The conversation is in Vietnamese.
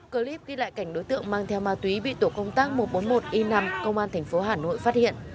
clip ghi lại cảnh đối tượng mang theo ma túy bị tổ công tác một trăm bốn mươi một i năm công an tp hà nội phát hiện